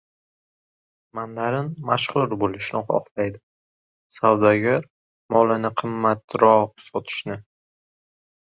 • Mandarin mashhur bo‘lishni xohlaydi, savdogar — molini qimmatroq sotishni.